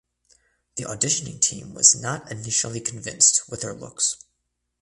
The auditioning team was not initially convinced with her looks.